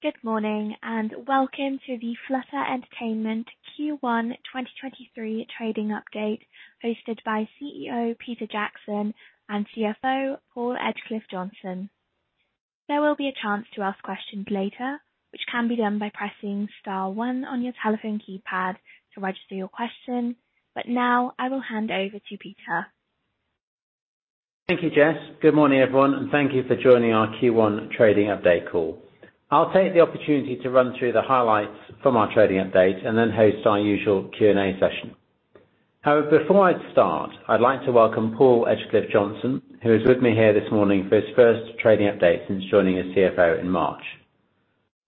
Good morning, and welcome to the Flutter Entertainment Q1 2023 Trading Update, hosted by CEO Peter Jackson and CFO Paul Edgecliffe-Johnson. There will be a chance to ask questions later, which can be done by pressing star one on your telephone keypad to register your question. Now I will hand over to Peter. Thank you, Jess. Good morning, everyone, and thank you for joining our Q1 Trading Update Call. I'll take the opportunity to run through the highlights from our trading update and then host our usual Q&A session. Before I start, I'd like to welcome Paul Edgecliffe-Johnson, who is with me here this morning for his first trading update since joining as CFO in March.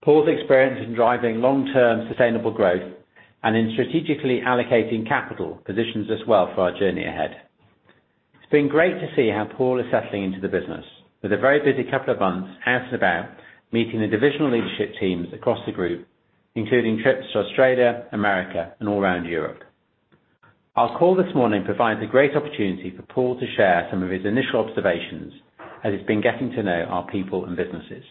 Paul's experience in driving long-term sustainable growth and in strategically allocating capital positions as well for our journey ahead. It's been great to see how Paul is settling into the business with a very busy couple of months out and about meeting the divisional leadership teams across the group, including trips to Australia, America, and all around Europe. Our call this morning provides a great opportunity for Paul to share some of his initial observations as he's been getting to know our people and businesses.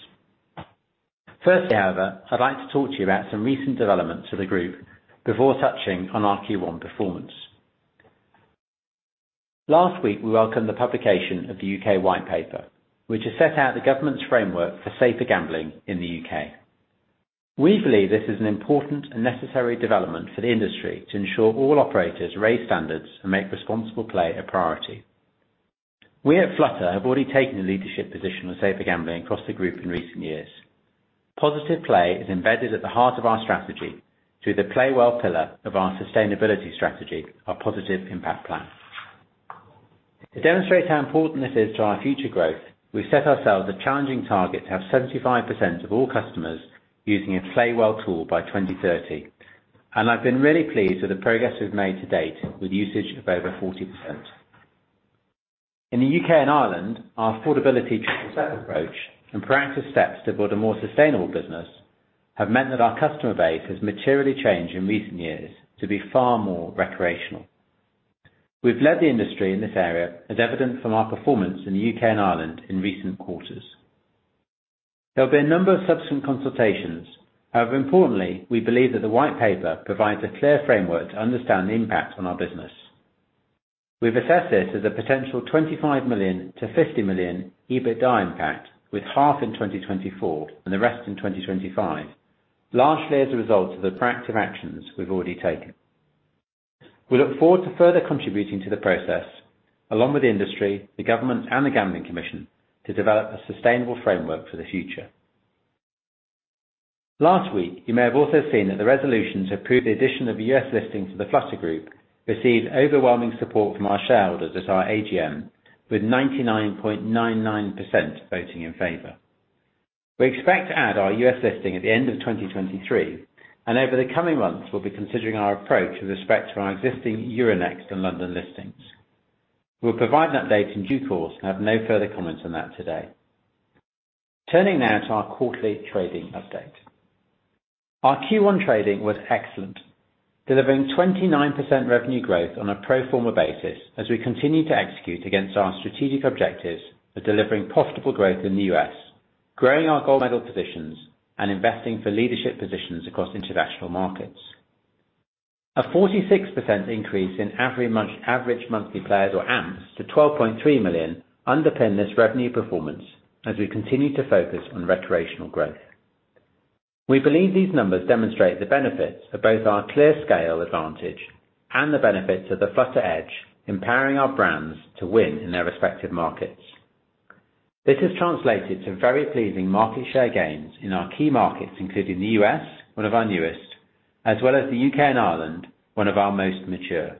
However, I'd like to talk to you about some recent developments of the group before touching on our Q1 performance. Last week, we welcomed the publication of the U.K. White Paper, which has set out the government's framework for safer gambling in the U.K. We believe this is an important and necessary development for the industry to ensure all operators raise standards and make responsible play a priority. We at Flutter have already taken a leadership position on safer gambling across the group in recent years. Positive play is embedded at the heart of our strategy through the Play Well pillar of our sustainability strategy, our Positive Impact Plan. To demonstrate how important this is to our future growth, we've set ourselves a challenging target to have 75% of all customers using a Play Well tool by 2030. I've been really pleased with the progress we've made to date with usage of over 40%. In the U.K. and Ireland, our affordability triple step approach and proactive steps to build a more sustainable business have meant that our customer base has materially changed in recent years to be far more recreational. We've led the industry in this area as evidenced from our performance in the U.K. and Ireland in recent quarters. There have been a number of subsequent consultations. However, importantly, we believe that the White Paper provides a clear framework to understand the impact on our business. We've assessed it as a potential 25 million to 50 million EBITDA impact, with half in 2024 and the rest in 2025, largely as a result of the proactive actions we've already taken. We look forward to further contributing to the process along with the industry, the government and the Gambling Commission to develop a sustainable framework for the future. Last week, you may have also seen that the resolution to approve the addition of a U.S. listing to the Flutter Group received overwhelming support from our shareholders at our AGM, with 99.99% voting in favor. We expect to add our U.S. listing at the end of 2023. Over the coming months, we'll be considering our approach with respect to our existing Euronext and London listings. We'll provide an update in due course. Have no further comment on that today. Turning now to our quarterly trading update. Our Q1 trading was excellent, delivering 29% revenue growth on a pro forma basis as we continue to execute against our strategic objectives of delivering profitable growth in the U.S., growing our gold medal positions and investing for leadership positions across international markets. A 46% increase in Average Monthly Players or AMPs to 12.3 million underpin this revenue performance as we continue to focus on recreational growth. We believe these numbers demonstrate the benefits of both our clear scale advantage and the benefits of the Flutter Edge, empowering our brands to win in their respective markets. This has translated to very pleasing market share gains in our key markets, including the U.S., one of our newest, as well as the U.K. and Ireland, one of our most mature.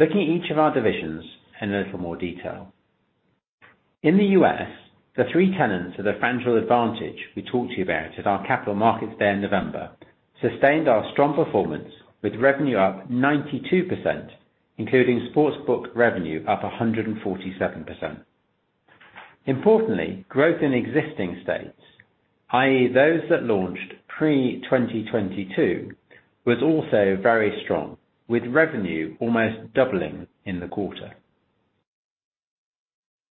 Looking at each of our divisions in a little more detail. In the U.S., the three tenets of the FanDuel advantage we talked to you about at our Capital Markets Day in November, sustained our strong performance with revenue up 92%, including sportsbook revenue up 147%. Importantly, growth in existing states, i.e. those that launched pre-2022, was also very strong, with revenue almost doubling in the quarter.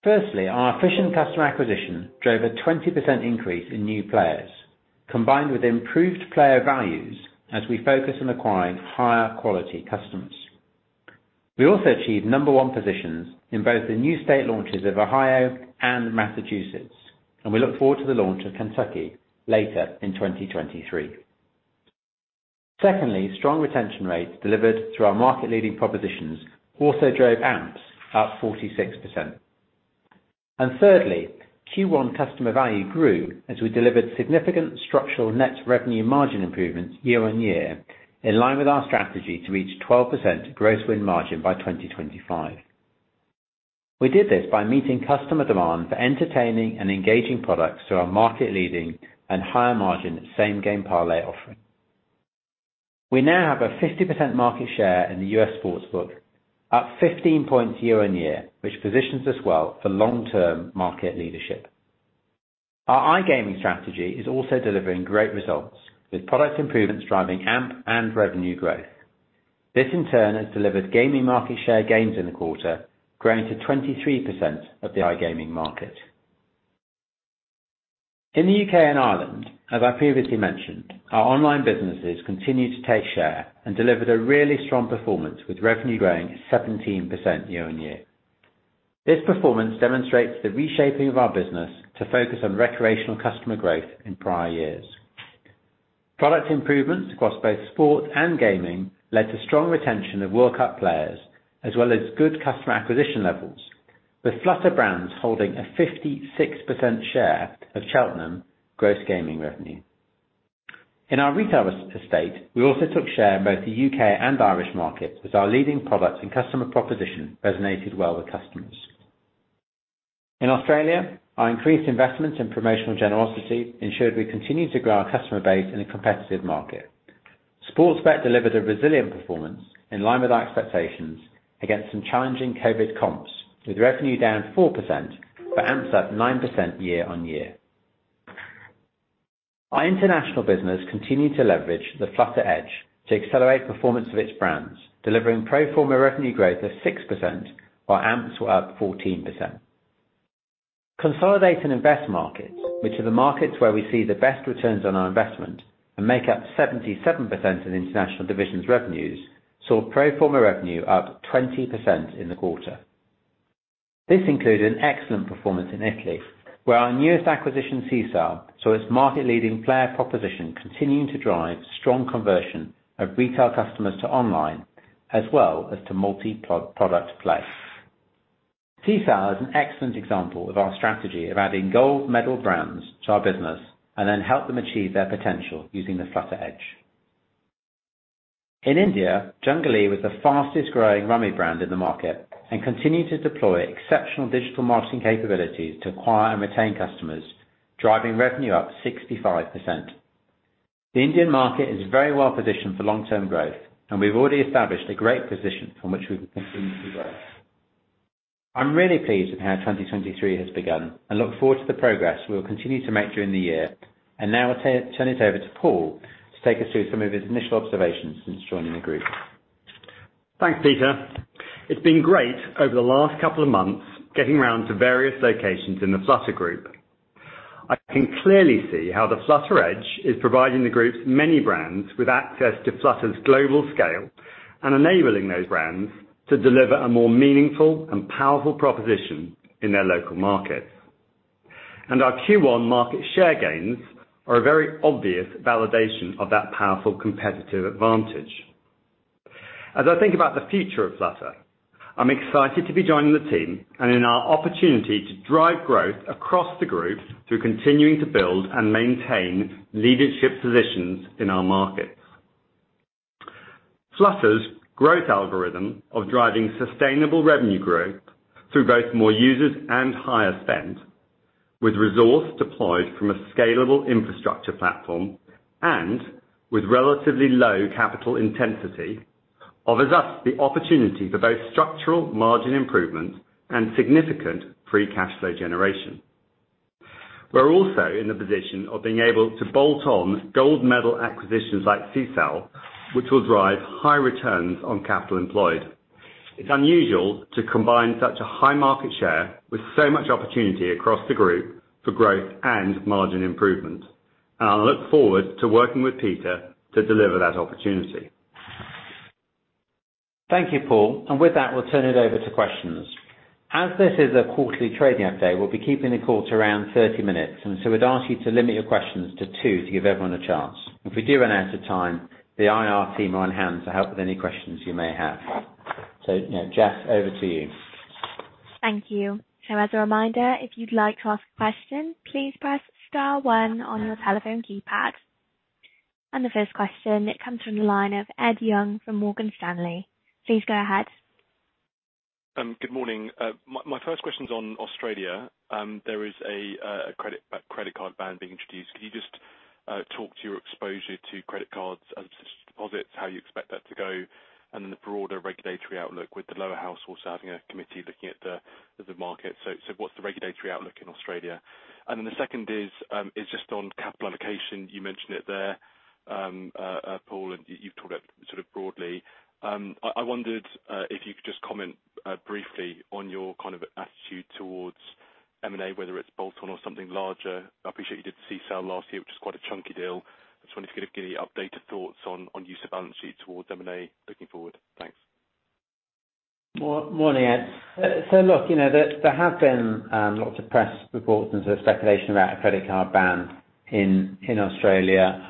Firstly, our efficient customer acquisition drove a 20% increase in new players, combined with improved player values as we focus on acquiring higher quality customers. We also achieved number one positions in both the new state launches of Ohio and Massachusetts. We look forward to the launch of Kentucky later in 2023. Secondly, strong retention rates delivered through our market-leading propositions also drove AMPs up 46%. Thirdly, Q1 customer value grew as we delivered significant structural net revenue margin improvements year-on-year, in line with our strategy to reach 12% gross win margin by 2025. We did this by meeting customer demand for entertaining and engaging products through our market leading and higher margin Same Game Parlay offering. We now have a 50% market share in the U.S. sportsbook, up 15 points year-on-year, which positions us well for long-term market leadership. Our iGaming strategy is also delivering great results with product improvements driving AMP and revenue growth. This in turn has delivered gaming market share gains in the quarter, growing to 23% of the iGaming market. In the U.K. and Ireland, as I previously mentioned, our online businesses continue to take share and delivered a really strong performance with revenue growing 17% year-on-year. This performance demonstrates the reshaping of our business to focus on recreational customer growth in prior years. Product improvements across both sport and gaming led to strong retention of World Cup players, as well as good customer acquisition levels, with Flutter brands holding a 56% share of Cheltenham Gross Gaming Revenue. In our retail estate, we also took share in both the U.K. and Irish markets as our leading product and customer proposition resonated well with customers. In Australia, our increased investments in promotional generosity ensured we continued to grow our customer base in a competitive market. Sportsbet delivered a resilient performance in line with our expectations against some challenging COVID comps, with revenue down 4% but AMPs up 9% year-on-year. Our international business continued to leverage the Flutter Edge to accelerate performance of its brands, delivering pro forma revenue growth of 6%, while AMPs were up 14%. Consolidate & invest markets, which are the markets where we see the best returns on our investment and make up 77% of the international division's revenues, saw pro forma revenue up 20% in the quarter. This included an excellent performance in Italy, where our newest acquisition, Sisal, saw its market-leading player proposition continuing to drive strong conversion of retail customers to online as well as to multi-product play. Sisal is an excellent example of our strategy of adding gold medal brands to our business and then help them achieve their potential using the Flutter Edge. In India, Junglee was the fastest-growing Rummy brand in the market and continued to deploy exceptional digital marketing capabilities to acquire and retain customers, driving revenue up 65%. The Indian market is very well-positioned for long-term growth, and we've already established a great position from which we can continue to grow. I'm really pleased with how 2023 has begun and look forward to the progress we will continue to make during the year. Now I'll turn it over to Paul to take us through some of his initial observations since joining the group. Thanks, Peter. It's been great over the last couple of months, getting around to various locations in the Flutter group. I can clearly see how the Flutter Edge is providing the group's many brands with access to Flutter's global scale and enabling those brands to deliver a more meaningful and powerful proposition in their local markets. Our Q1 market share gains are a very obvious validation of that powerful competitive advantage. As I think about the future of Flutter, I'm excited to be joining the team and in our opportunity to drive growth across the group through continuing to build and maintain leadership positions in our markets. Flutter's growth algorithm of driving sustainable revenue growth through both more users and higher spend, with resource deployed from a scalable infrastructure platform and with relatively low capital intensity, offers us the opportunity for both structural margin improvement and significant free cash flow generation. We're also in the position of being able to bolt-on gold medal acquisitions like Sisal, which will drive high returns on capital employed. It's unusual to combine such a high market share with so much opportunity across the group for growth and margin improvement. I look forward to working with Peter to deliver that opportunity. Thank you, Paul. With that, we'll turn it over to questions. As this is a quarterly trading update, we'll be keeping the call to around 30 minutes, we'd ask you to limit your questions to two to give everyone a chance. If we do run out of time, the IR team are on hand to help with any questions you may have. Jess, over to you. Thank you. As a reminder, if you'd like to ask a question, please press star 1 on your telephone keypad. The first question, it comes from the line of Ed Young from Morgan Stanley. Please go ahead. Good morning. My first question's on Australia. There is a credit card ban being introduced. Can you just talk to your exposure to credit cards as deposits, how you expect that to go? The broader regulatory outlook with the Lower House also having a committee looking at the market. What's the regulatory outlook in Australia? The second is just on capital allocation. You mentioned it there, Paul, you've talked sort of broadly. I wondered if you could just comment briefly on your kind of attitude towards M&A, whether it's bolt-on or something larger. I appreciate you did the Sisal last year, which was quite a chunky deal. I just wondered if you could give me an update of thoughts on use of balance sheet towards M&A looking forward. Thanks. Morning, Ed. Look, you know, there have been lots of press reports and sort of speculation about a credit card ban in Australia.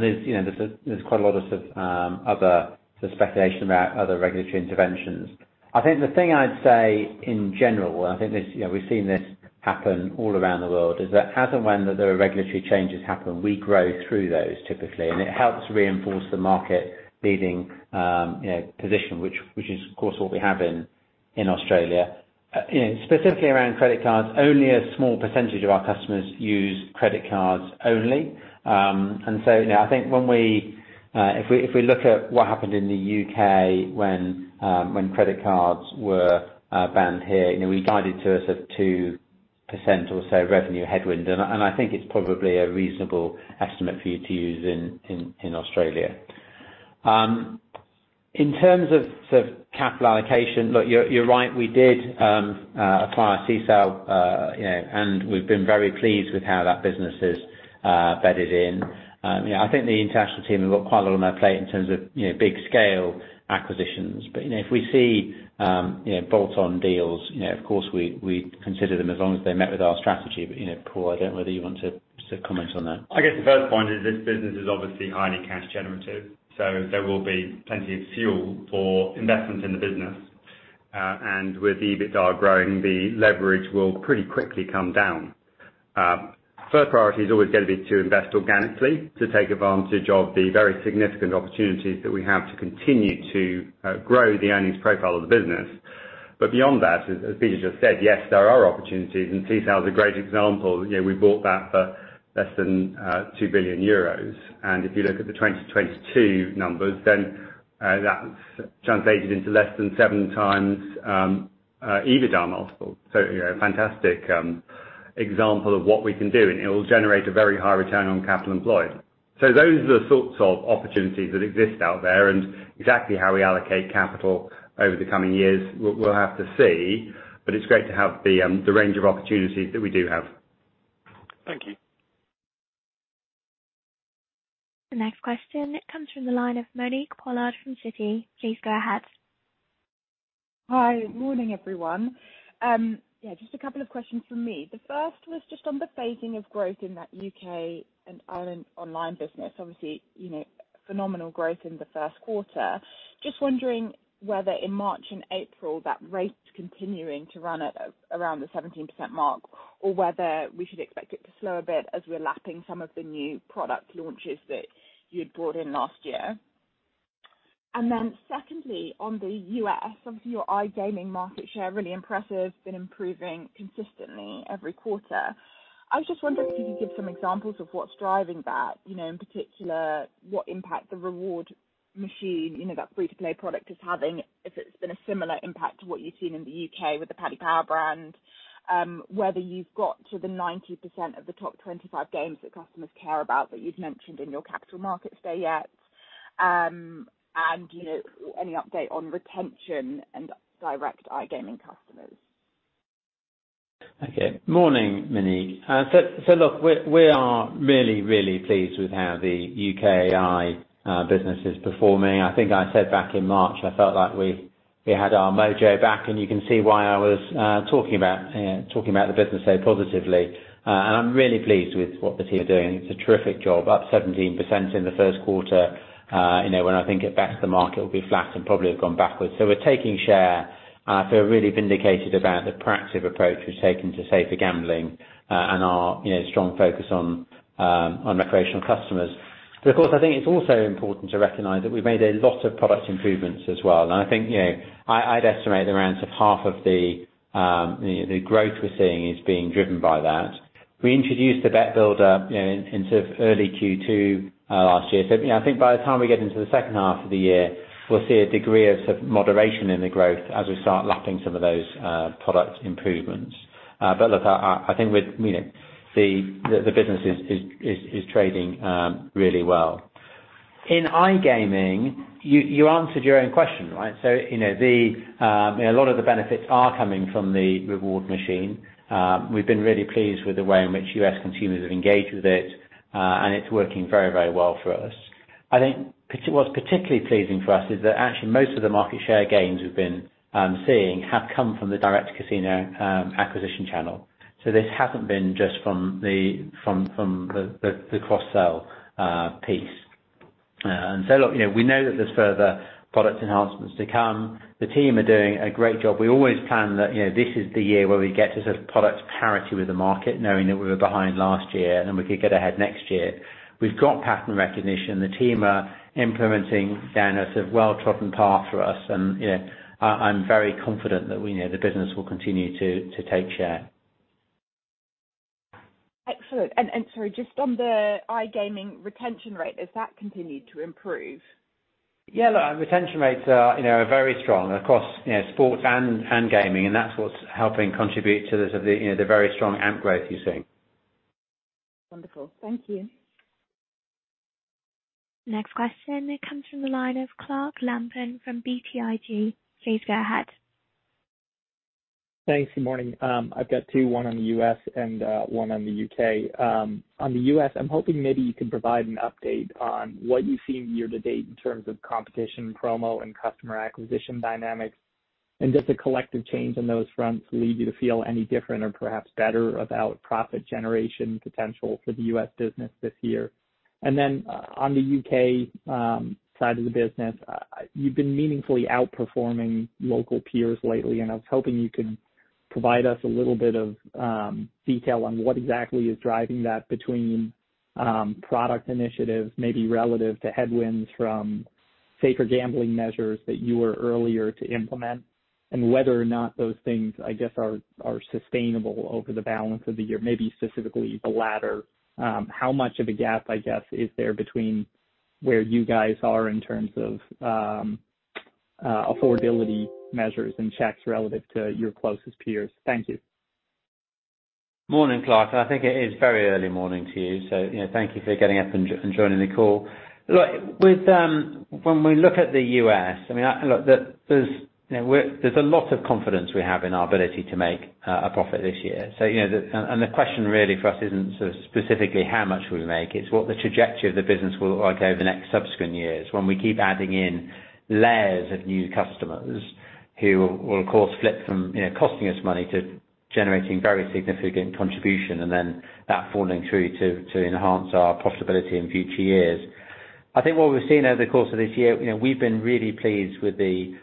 There's, you know, there's quite a lot of, sort of, other speculation about other regulatory interventions. I think the thing I'd say in general, and I think this, you know, we've seen this happen all around the world, is that as and when the regulatory changes happen, we grow through those typically, and it helps reinforce the market-leading, you know, position, which is, of course, what we have in Australia. You know, specifically around credit cards, only a small percentage of our customers use credit cards only. You know, I think when we, if we look at what happened in the U.K. when credit cards were banned here, you know, we guided to a sort of 2% or so revenue headwind, and I think it's probably a reasonable estimate for you to use in Australia. In terms of sort of capital allocation, look, you're right, we did acquire Sisal, you know, and we've been very pleased with how that business is bedded in. You know, I think the international team have got quite a lot on their plate in terms of, you know, big scale acquisitions. You know, if we see, you know, bolt-on deals, you know, of course we'd consider them as long as they're met with our strategy. You know, Paul, I don't know whether you want to sort of comment on that. I guess the first point is this business is obviously highly cash-generative, so there will be plenty of fuel for investment in the business. With the EBITDA growing, the leverage will pretty quickly come down. First priority is always gonna be to invest organically to take advantage of the very significant opportunities that we have to continue to grow the earnings profile of the business. Beyond that, as Peter just said, yes, there are opportunities, and Sisal is a great example. You know, we bought that for less than 2 billion euros. If you look at the 2022 numbers, that translated into less than 7x EBITDA multiple. You know, fantastic example of what we can do, and it will generate a very high return on capital employed. those are the sorts of opportunities that exist out there and exactly how we allocate capital over the coming years, we'll have to see, but it's great to have the range of opportunities that we do have. Thank you. The next question comes from the line of Monique Pollard from Citi. Please go ahead. Hi. Morning, everyone. Yeah, just a couple of questions from me. The first was just on the phasing of growth in that U.K. and Ireland online business. Obviously, you know, phenomenal growth in the first quarter. Just wondering whether in March and April that rate's continuing to run at around the 17% mark, or whether we should expect it to slow a bit as we're lapping some of the new product launches that you'd brought in last year. Secondly, on the U.S., obviously, your iGaming market share really impressive, been improving consistently every quarter. I was just wondering if you could give some examples of what's driving that, you know, in particular, what impact the Reward Machine, you know, that free-to-play product is having, if it's been a similar impact to what you've seen in the U.K. with the Paddy Power brand, whether you've got to the 90% of the top 25 games that customers care about that you've mentioned in your Capital Markets Day yet. You know, any update on retention and direct iGaming customers. Okay. Morning, Monique. So look, we are really, really pleased with how the U.K. i business is performing. I think I said back in March, I felt like we had our mojo back, and you can see why I was talking about the business so positively. I'm really pleased with what the team are doing. It's a terrific job, up 17% in the first quarter, you know, when I think at best the market will be flat and probably have gone backwards. We're taking share. I feel really vindicated about the proactive approach we've taken to safer gambling, and our, you know, strong focus on recreational customers. Of course, I think it's also important to recognize that we've made a lot of product improvements as well. I think, you know, I'd estimate around sort of half of the, you know, the growth we're seeing is being driven by that. We introduced the Bet Builder, you know, in sort of early Q2, last year. You know, I think by the time we get into the second half of the year, we'll see a degree of sort of moderation in the growth as we start lapping some of those product improvements. Look, I think with, you know, the business is trading really well. In iGaming, you answered your own question, right? You know, the a lot of the benefits are coming from the Reward Machine. We've been really pleased with the way in which U.S. consumers have engaged with it, and it's working very, very well for us. I think what's particularly pleasing for us is that actually most of the market share gains we've been seeing have come from the direct casino acquisition channel. This hasn't been just from the cross-sell piece. Look, you know, we know that there's further product enhancements to come. The team are doing a great job. We always plan that, you know, this is the year where we get to sort of product parity with the market knowing that we were behind last year and then we could get ahead next year. We've got pattern recognition. The team are implementing down a sort of well-trodden path for us and, you know, I'm very confident that, you know, the business will continue to take share. Excellent. Sorry, just on the iGaming retention rate, has that continued to improve? Look, our retention rates are, you know, very strong across, you know, sports and gaming. That's what's helping contribute to the sort of the, you know, very strong AMP growth you're seeing. Wonderful. Thank you. Next question comes from the line of Clark Lampen from BTIG. Please go ahead. Thanks. Good morning. I've got two. One on the U.S. and one on the U.K. On the U.S., I'm hoping maybe you can provide an update on what you've seen year to date in terms of competition promo and customer acquisition dynamics. Does the collective change on those fronts lead you to feel any different or perhaps better about profit generation potential for the U.S. business this year? On the U.K. side of the business, you've been meaningfully outperforming local peers lately. I was hoping you could provide us a little bit of detail on what exactly is driving that between product initiatives, maybe relative to headwinds from safer gambling measures that you were earlier to implement, and whether or not those things, I guess, are sustainable over the balance of the year, maybe specifically the latter. How much of a gap, I guess, is there between where you guys are in terms of affordability measures and checks relative to your closest peers? Thank you. Morning, Clark. I think it is very early morning to you know, thank you for getting up and joining the call. Look, with, when we look at the U.S., I mean, there's a lot of confidence we have in our ability to make a profit this year. You know, the question really for us isn't sort of specifically how much we make, it's what the trajectory of the business will look like over the next subsequent years when we keep adding in layers of new customers who will of course flip from, you know, costing us money to generating very significant contribution and then that falling through to enhance our profitability in future years. I think what we've seen over the course of this year, you know, we've been really pleased with the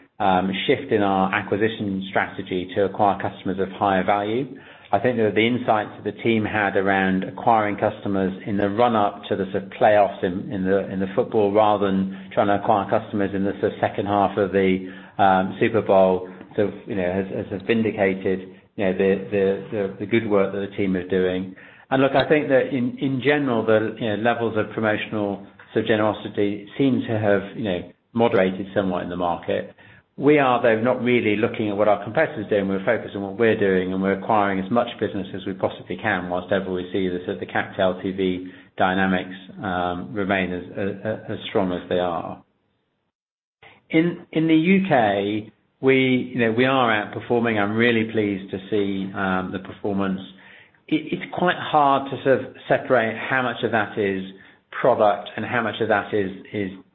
shift in our acquisition strategy to acquire customers of higher value. I think that the insights that the team had around acquiring customers in the run-up to the sort of playoffs in the, in the football rather than trying to acquire customers in the sort of second half of the Super Bowl sort of, you know, has vindicated, you know, the good work that the team is doing. Look, I think that in general, the, you know, levels of promotional sort of generosity seem to have, you know, moderated somewhat in the market. We are, though, not really looking at what our competitors are doing, we're focused on what we're doing, and we're acquiring as much business as we possibly can whilst everybody sees the sort of capped LTV dynamics, remain as strong as they are. In the U.K., we, you know, we are outperforming. I'm really pleased to see the performance. It, it's quite hard to sort of separate how much of that is product and how much of that is,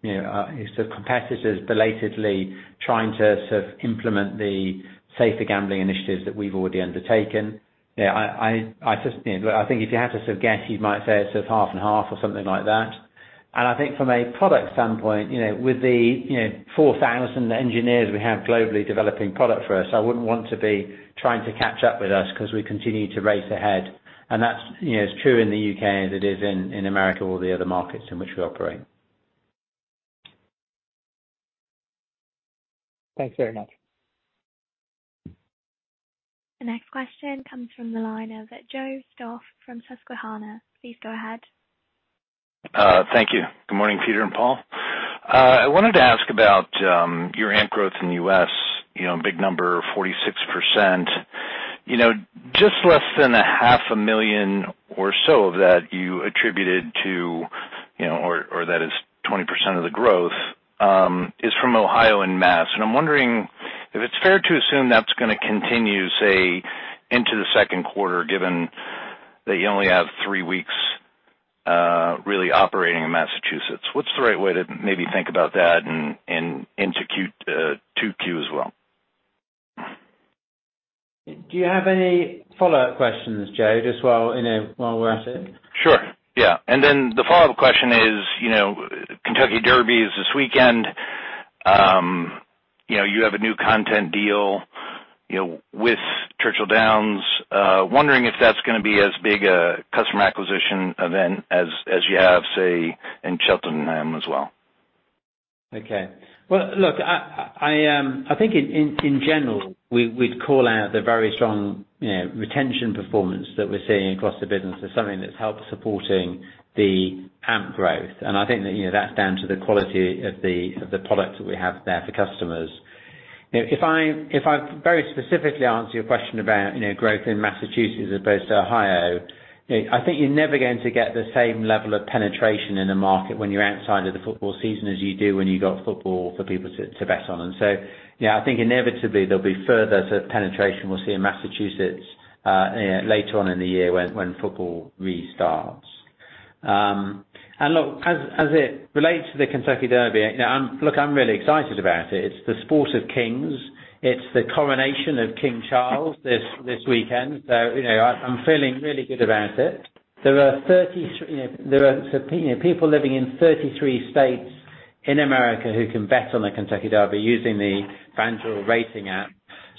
you know, is sort of competitors belatedly trying to sort of implement the safer gambling initiatives that we've already undertaken. You know, I just, you know. I think if you had to sort of guess, you might say it's sort of half and half or something like that. I think from a product standpoint, you know, with the, you know, 4,000 engineers we have globally developing product for us, I wouldn't want to be trying to catch up with us 'cause we continue to race ahead. That's, you know, as true in the U.K. as it is in America or the other markets in which we operate. Thanks very much. The next question comes from the line of Joe Stauff from Susquehanna. Please go ahead. Thank you. Good morning, Peter and Paul. I wanted to ask about your AMP growth in the U.S., you know, big number, 46%. You know, just less than a half a million or so of that you attributed to, you know, or that is 20% of the growth is from Ohio and Mass. I'm wondering if it's fair to assume that's gonna continue, say, into the second quarter, given that you only have three weeks really operating in Massachusetts. What's the right way to maybe think about that and into 2Q as well? Do you have any follow-up questions, Joe, just while, you know, while we're at it? Sure, yeah. The follow-up question is, you know, Kentucky Derby is this weekend. You know, you have a new content deal, you know, with Churchill Downs. Wondering if that's gonna be as big a customer acquisition event as you have, say, in Cheltenham as well? Okay. Well, look, I think in general, we'd call out the very strong, you know, retention performance that we're seeing across the business as something that's helped supporting the AMP growth. I think that, you know, that's down to the quality of the product that we have there for customers. You know, if I very specifically answer your question about, you know, growth in Massachusetts as opposed to Ohio, you know, I think you're never going to get the same level of penetration in a market when you're outside of the football season as you do when you got football for people to bet on. You know, I think inevitably there'll be further sort of penetration we'll see in Massachusetts, you know, later on in the year when football restarts. Look, as it relates to the Kentucky Derby, you know, look, I'm really excited about it. It's the sport of kings. It's the coronation of King Charles this weekend. You know, I'm feeling really good about it. You know, there are sort of, you know, people living in 33 states in America who can bet on the Kentucky Derby using the FanDuel Racing app.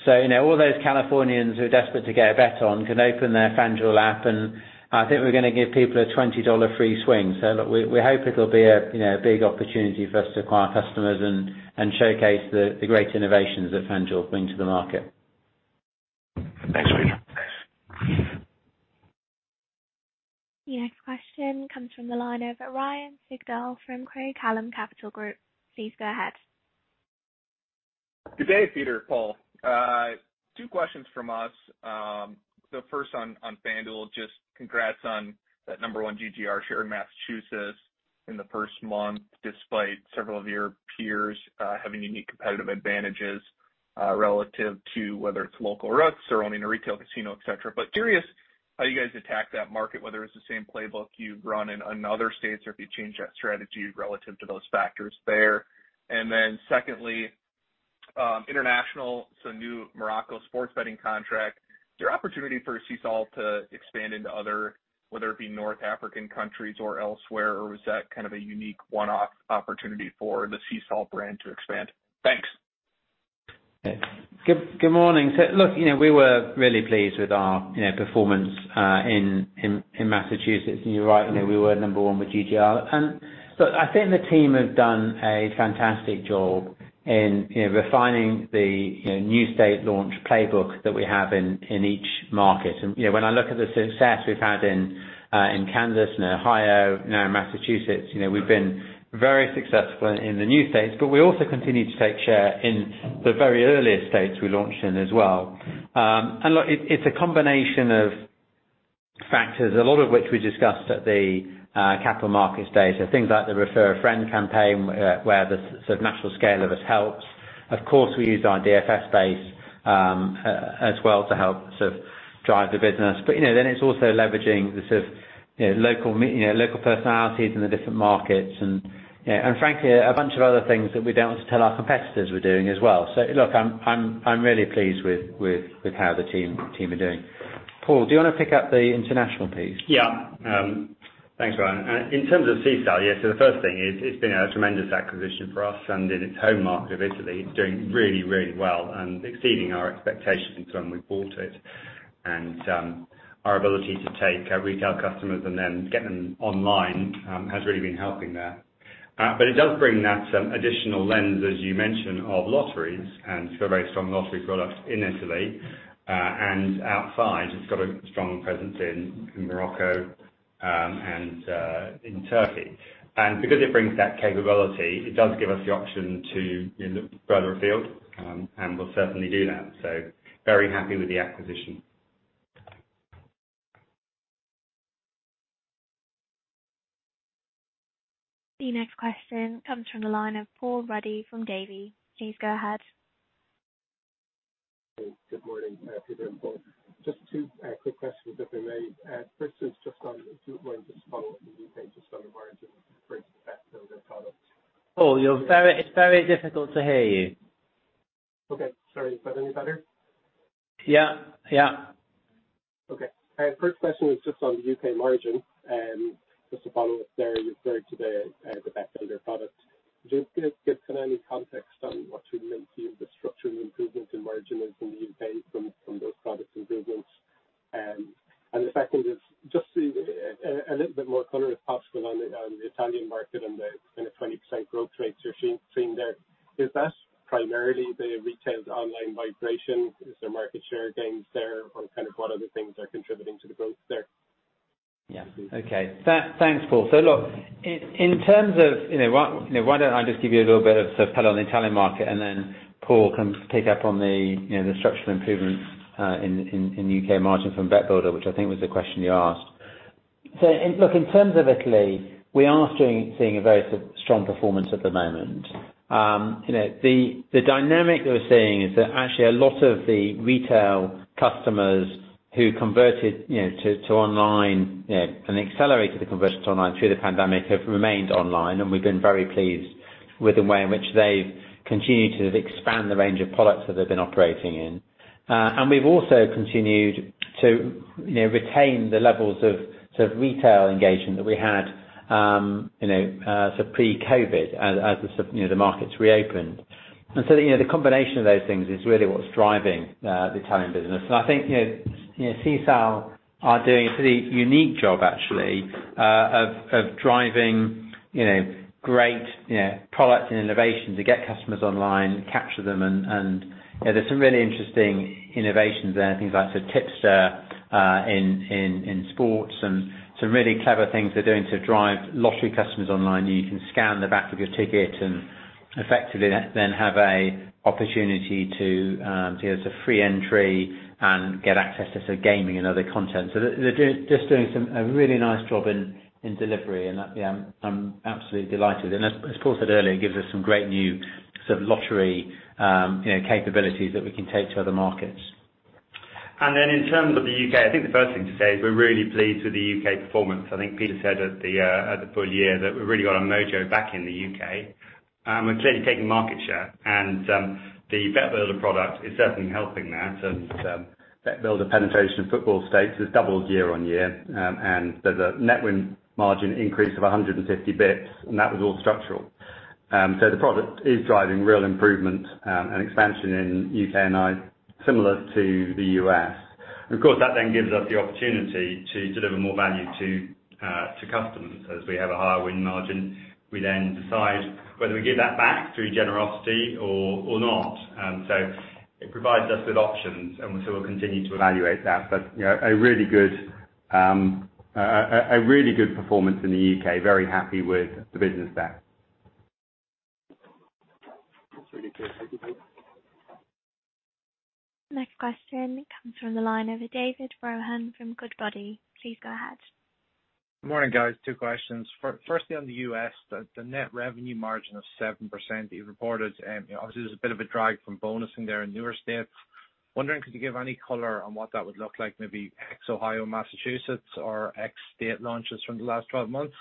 You know, all those Californians who are desperate to get a bet on can open their FanDuel app, and I think we're gonna give people a $20 free swing. Look, we hope it'll be a, you know, a big opportunity for us to acquire customers and showcase the great innovations that FanDuel bring to the market. Thanks, Peter. The next question comes from the line of Ryan Sigdahl from Craig-Hallum Capital Group. Please go ahead. Good day, Peter and Paul. Two questions from us. The first on FanDuel, just congrats on that No. 1 GGR share in Massachusetts in the first month, despite several of your peers, having unique competitive advantages, relative to whether it's local routes or owning a retail casino, et cetera. Curious how you guys attack that market, whether it's the same playbook you'd run in another state, or if you change that strategy relative to those factors there. Secondly, international, new Morocco sports betting contract, is there opportunity for Sisal to expand into other, whether it be North African countries or elsewhere, or was that kind of a unique one-off opportunity for the Sisal brand to expand? Thanks. Good, good morning. Look, you know, we were really pleased with our, you know, performance in Massachusetts. You're right, you know, we were No. 1 with GGR. Look, I think the team have done a fantastic job in, you know, refining the, you know, new state launch playbook that we have in each market. You know, when I look at the success we've had in Kansas and Ohio, now in Massachusetts, you know, we've been very successful in the new states, but we also continue to take share in the very earliest states we launched in as well. Look, it's a combination of factors, a lot of which we discussed at the Capital Markets Days. Things like the Refer a Friend campaign, where the sort of natural scale of it helps. Of course, we use our DFS base, as well to help sort of drive the business. You know, then it's also leveraging the sort of, you know, local you know, local personalities in the different markets and, you know, and frankly, a bunch of other things that we don't tell our competitors we're doing as well. Look, I'm really pleased with how the team are doing. Paul, do you wanna pick up the international piece? Yeah. Thanks, Ryan. In terms of Sisal, yeah, the first thing is it's been a tremendous acquisition for us, and in its home market of Italy, doing really, really well and exceeding our expectations from when we bought it. Our ability to take our retail customers and then get them online has really been helping there. It does bring that additional lens, as you mentioned, of lottery and it's got a very strong lottery product in Italy. Outside, it's got a strong presence in Morocco, and in Turkey. Because it brings that capability, it does give us the option to look further afield, and we'll certainly do that. Very happy with the acquisition. The next question comes from the line of Paul Ruddy from Davy. Please go ahead. Good morning, Peter and Paul. Just 2 quick questions if I may. First is just wanted to follow up with you, Peter, just on the margin for the best seller products. Paul, it's very difficult to hear you. Okay, sorry. Is that any better? Yeah. Yeah. Okay. All right, first question is just on the U.K. margin. Just to follow up there, you referred to the Bet Builder product. Could you give some context on what you're looking at the structural improvements in margin in the U.K. from those products improvements. The second is just a little bit more color, if possible, on the Italian market and the kind of 20% growth rates you're seeing there. Is that primarily the retail online migration? Is there market share gains there or kind of what other things are contributing to the growth there? Okay. Thanks, Paul. Look, in terms of, you know, why don't I just give you a little bit of color on the Italian market, and then Paul can pick up on the, you know, the structural improvements in U.K. margin from Bet Builder, which I think was the question you asked. Look, in terms of Italy, we are seeing a very strong performance at the moment. You know, the dynamic we're seeing is that actually a lot of the retail customers who converted, you know, to online, and accelerated the conversion to online through the pandemic have remained online, and we've been very pleased with the way in which they've continued to expand the range of products that they've been operating in. We've also continued to, you know, retain the levels of sort of retail engagement that we had, you know, pre-COVID as the, you know, the markets reopened. You know, the combination of those things is really what's driving the Italian business. I think, you know, you know, Sisal are doing a pretty unique job actually, of driving, you know, great, you know, products and innovation to get customers online, capture them and, you know, there's some really interesting innovations there. Things like, so Tipster, in sports and some really clever things they're doing to drive lottery customers online. You can scan the back of your ticket and effectively then have an opportunity to, you know, it's a free entry and get access to sort of gaming and other content. They're just doing some, a really nice job in delivery and, yeah, I'm absolutely delighted. As Paul said earlier, it gives us some great new sort of lottery, you know, capabilities that we can take to other markets. In terms of the U.K., I think the first thing to say is we're really pleased with the U.K. performance. I think Peter said at the at the full year that we've really got our mojo back in the U.K. We're clearly taking market share and the Bet Builder product is certainly helping that. Bet Builder penetration in football stakes has doubled year-on-year. There's a net revenue margin increase of 150 basis points, and that was all structural. The product is driving real improvement and expansion in U.K. now similar to the U.S. Of course, that then gives us the opportunity to deliver more value to customers. As we have a higher win margin, we then decide whether we give that back through generosity or not. It provides us with options and so we'll continue to evaluate that. You know, a really good performance in the U.K. Very happy with the business there. That's really clear. Thank you both. Next question comes from the line of David Brohan from Goodbody. Please go ahead. Good morning, guys. Two questions. Firstly on the U.S., the net revenue margin of 7% that you reported, obviously there's a bit of a drag from bonusing there in newer states. Wondering could you give any color on what that would look like maybe ex Ohio, Massachusetts or ex state launches from the last 12 months?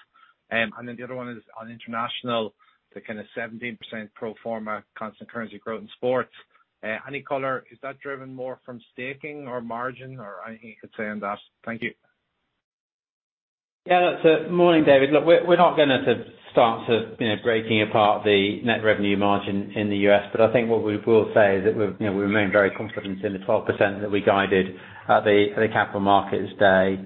The other one is on international, the kind of 17% pro forma constant currency growth in sports. Any color, is that driven more from staking or margin or anything you could say on that? Thank you. Morning, David. Look, we're not going to start to, you know, breaking apart the net revenue margin in the U.S. I think what we will say is that we're, you know, we remain very confident in the 12% that we guided at the Capital Markets Day.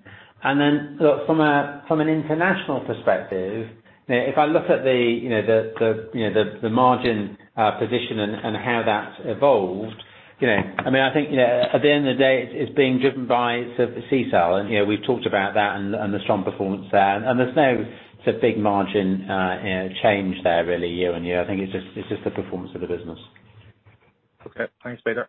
Look, from an international perspective, if I look at the, you know, the, you know, the margin position and how that's evolved, you know, I mean, I think, you know, at the end of the day, it's being driven by sort of the Sisal and, you know, we've talked about that and the strong performance there. There's no sort of big margin, you know, change there really year-on-year. I think it's just the performance of the business. Okay, thanks Peter.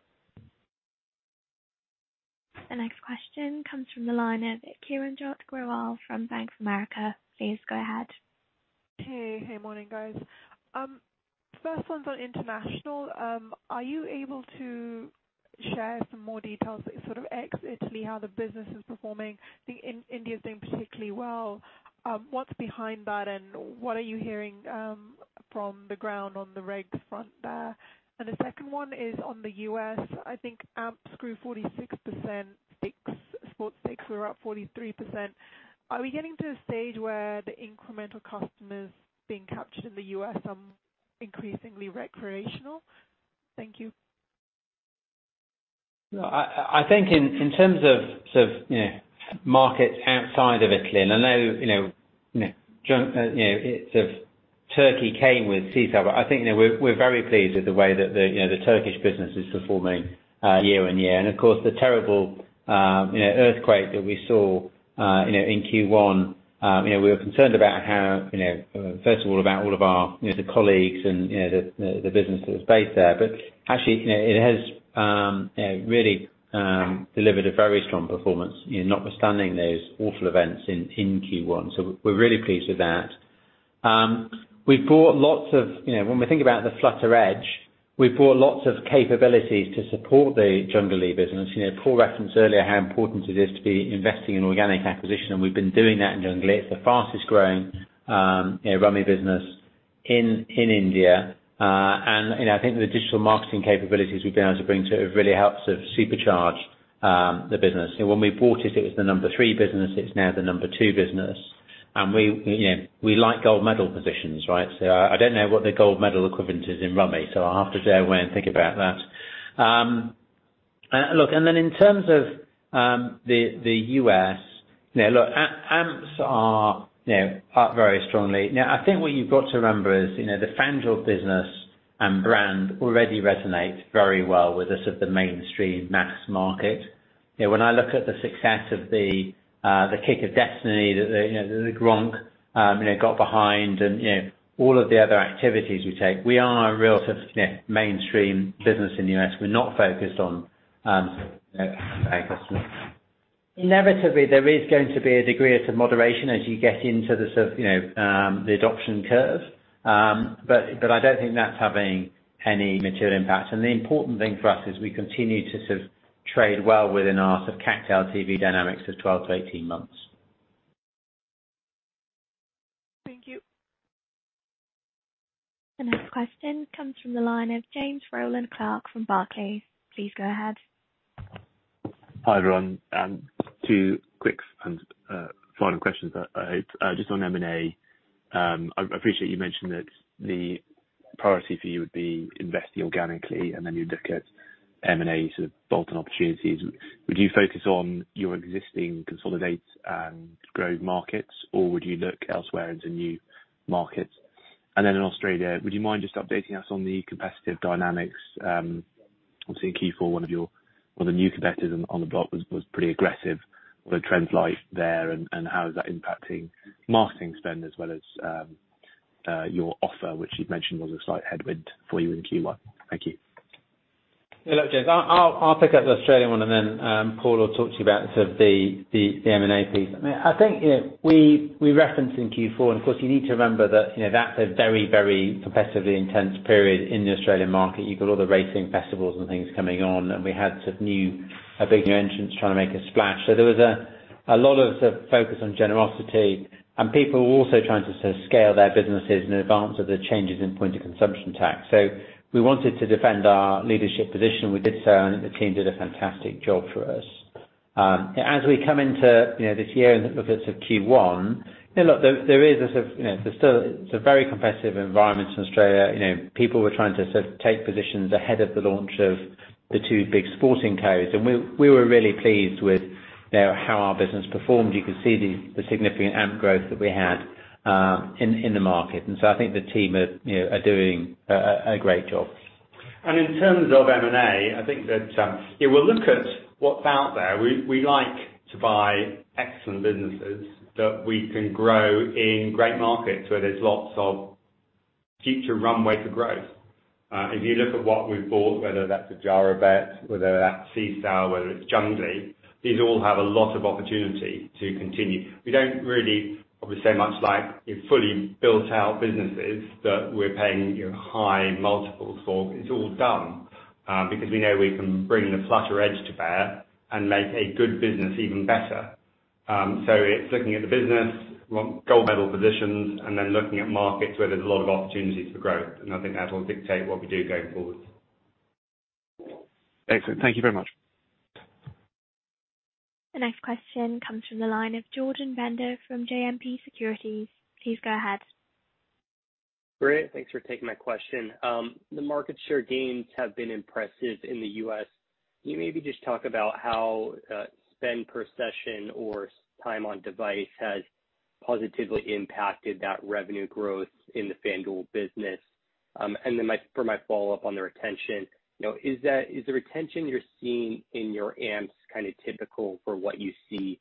The next question comes from the line of Kiranjot Grewal from Bank of America. Please go ahead. Hey. Hey, morning, guys. First one's on international. Are you able to share some more details, sort of ex-Italy, how the business is performing? I think India is doing particularly well. What's behind that, and what are you hearing from the ground on the reg front there? The second one is on the U.S. I think AMPs grew 46%, sports stakes were up 43%. Are we getting to a stage where the incremental customers being captured in the U.S. are increasingly recreational? Thank you. No, I think in terms of sort of, you know, markets outside of Italy, I know, you know, it's of Turkey came with Sisal, but I think, you know, we're very pleased with the way that the, you know, the Turkish business is performing year-on-year. Of course, the terrible, you know, earthquake that we saw, you know, in Q1, you know, we were concerned about how, you know, first of all about all of our, you know, the colleagues and, you know, the business that was based there. Actually, you know, it has, you know, really delivered a very strong performance, you know, notwithstanding those awful events in Q1. We're really pleased with that. We've brought lots of, you know, when we think about the Flutter Edge, we've brought lots of capabilities to support the Junglee business. Paul referenced earlier how important it is to be investing in organic acquisition, we've been doing that in Junglee. It's the fastest growing, you know, Rummy business in India. I think the digital marketing capabilities we've been able to bring to it really helps to supercharge the business. You know, when we bought it was the number three business, it's now the number two business. We, you know, we like gold medal positions, right? I don't know what the gold medal equivalent is in Rummy, I'll have to go away and think about that. In terms of the U.S., you know, look, AMPs are, you know, up very strongly. I think what you've got to remember is, you know, the FanDuel business and brand already resonates very well with the sort of mainstream mass market. You know, when I look at the success of the Kick of Destiny that the, you know, the Gronk, you know, got behind and, you know, all of the other activities we take, we are a real sort of, you know, mainstream business in the U.S. We're not focused on Customers. Inevitably, there is going to be a degree of sort of moderation as you get into the sort of, you know, the adoption curve. I don't think that's having any material impact. The important thing for us is we continue to sort of trade well within our sort of CAC TV dynamics of 12 to 18 months. Thank you. The next question comes from the line of James Rowland Clark from Barclays. Please go ahead. Hi, everyone. Two quick and final questions that I hope just on M&A. I appreciate you mentioned that the priority for you would be investing organically, and then you'd look at M&A sort of bolt-on opportunities. Would you focus on your existing consolidate and growth markets, or would you look elsewhere into new markets? In Australia, would you mind just updating us on the competitive dynamics? Obviously in Q4, one of the new competitors on the block was pretty aggressive. What the trends like there and how is that impacting marketing spend as well as your offer, which you'd mentioned was a slight headwind for you in Q1? Thank you. Look, James, I'll pick up the Australian one. Then Paul will talk to you about sort of the M&A piece. I mean, I think, you know, we referenced in Q4. Of course you need to remember that, you know, that's a very competitively intense period in the Australian market. You've got all the racing festivals and things coming on. We had some big new entrants trying to make a splash. There was a lot of sort of focus on generosity. People were also trying to sort of scale their businesses in advance of the changes in Point of Consumption Tax. We wanted to defend our leadership position. We did so. I think the team did a fantastic job for us. As we come into, you know, this year and look at sort of Q1, you know, look, there is a sort of, you know, there's still a very competitive environment in Australia. You know, people were trying to sort of take positions ahead of the launch of the two big sporting codes. We were really pleased with, you know, how our business performed. You can see the significant AMP growth that we had in the market. I think the team are, you know, are doing a great job. In terms of M&A, I think that, yeah, we'll look at what's out there. We like to buy excellent businesses that we can grow in great markets where there's lots of future runway for growth. If you look at what we've bought, whether that's Adjarabet, whether that's Sisal, whether it's Junglee, these all have a lot of opportunity to continue. We don't really obviously so much like your fully built-out businesses that we're paying, you know, high multiples for. It's all done, because we know we can bring the Flutter Edge to bear and make a good business even better. It's looking at the business, gold medal positions, and then looking at markets where there's a lot of opportunities for growth. I think that will dictate what we do going forward. Excellent. Thank you very much. The next question comes from the line of Jordan Bender from JMP Securities. Please go ahead. Great. Thanks for taking my question. The market share gains have been impressive in the U.S. Can you maybe just talk about how spend per session or time on device has positively impacted that revenue growth in the FanDuel business? For my follow-up on the retention, you know, is the retention you're seeing in your AMPs kind of typical for what you see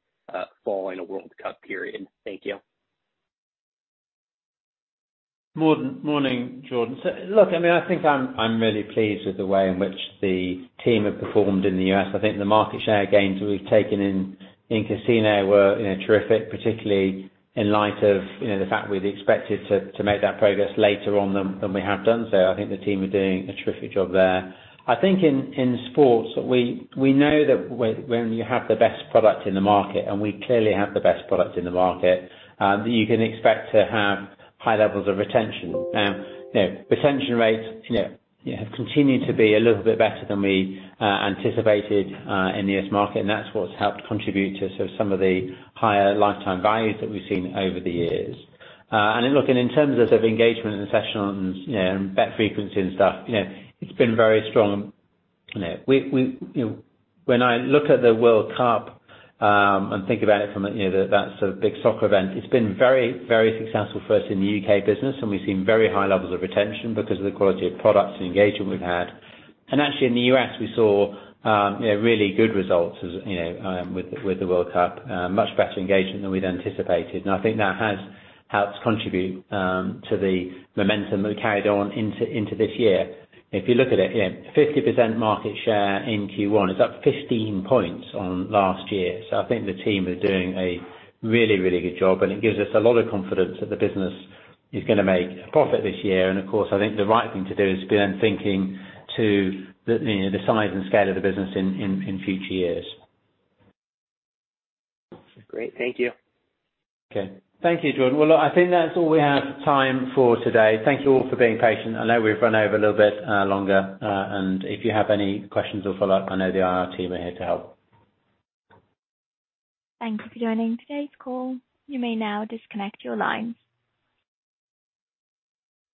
fall in a World Cup period? Thank you. Morning, Jordan. Look, I mean, I think I'm really pleased with the way in which the team have performed in the U.S. I think the market share gains we've taken in casino were, you know, terrific, particularly in light of, you know, the fact we've expected to make that progress later on than we have done. I think the team are doing a terrific job there. I think in sports, we know that when you have the best product in the market, and we clearly have the best product in the market, that you can expect to have high levels of retention. You know, retention rates, you know, have continued to be a little bit better than we anticipated in the U.S. market, and that's what's helped contribute to sort of some of the higher lifetime values that we've seen over the years. Then look, and in terms of sort of engagement and sessions, you know, and bet frequency and stuff, you know, it's been very strong. You know, when I look at the World Cup and think about it from a, you know, that's a big soccer event, it's been very, very successful for us in the U.K. business, and we've seen very high levels of retention because of the quality of products and engagement we've had. Actually, in the U.S., we saw, you know, really good results as, you know, with the World Cup, much better engagement than we'd anticipated. I think that has helped contribute to the momentum that carried on into this year. If you look at it, you know, 50% market share in Q1, it's up 15 points on last year. I think the team are doing a really good job, and it gives us a lot of confidence that the business is gonna make a profit this year. Of course, I think the right thing to do is be then thinking to the, you know, the size and scale of the business in future years. Great. Thank you. Okay. Thank you, Jordan. Well, look, I think that's all we have time for today. Thank you all for being patient. I know we've run over a little bit longer. If you have any questions or follow-up, I know the IR team are here to help. Thank you for joining today's call. You may now disconnect your lines.